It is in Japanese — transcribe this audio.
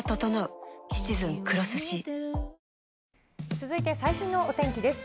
続いて最新のお天気です。